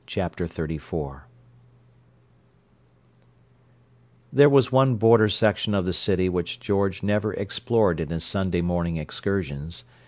Chapter XXXIV There was one border section of the city which George never explored in his Sunday morning excursions.